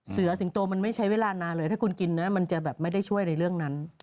สิงโตมันไม่ใช้เวลานานเลยถ้าคุณกินนะมันจะแบบไม่ได้ช่วยในเรื่องนั้น